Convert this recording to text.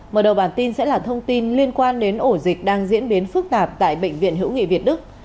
mở đầu bản tin sẽ là thông tin liên quan đến ổ dịch đang diễn biến phức tạp tại bệnh viện hữu nghị việt đức